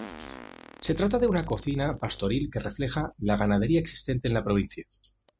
Se trata de una cocina pastoril que refleja la ganadería existente en la provincia.